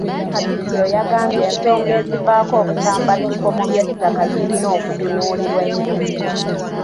Katikkiro yagambye ensonga ezivaako obusambattuko mu by'ettaka zirina okutunuulirwa ennyo.